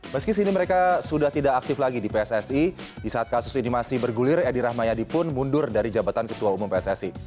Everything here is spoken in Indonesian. meski sini mereka sudah tidak aktif lagi di pssi di saat kasus ini masih bergulir edi rahmayadi pun mundur dari jabatan ketua umum pssi